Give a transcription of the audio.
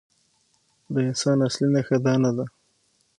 د انسان اصلي نښه دا نه ده.